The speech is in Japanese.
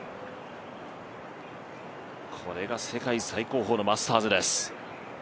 これが世界最高峰のマスターズです。